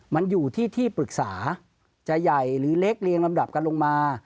มันอยู่ที่ที่ปรึกษาจะใหญ่หรือเล็กเรียงลำดับกันลงมา